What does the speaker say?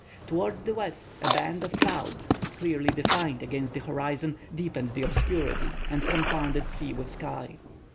Towards the west a band of cloud, clearly defined against the horizon, deepened the obscurity, and confounded sea with sky.